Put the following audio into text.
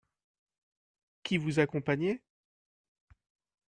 Qui vous accompagnait ?